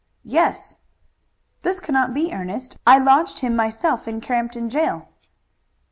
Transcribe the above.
"Yes." "This cannot be, Ernest. I lodged him myself in Crampton jail."